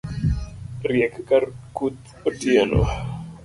Riek ka kuth otieno